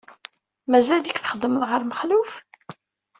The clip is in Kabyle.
Mazal-ik txeddmeḍ ɣer Mexluf?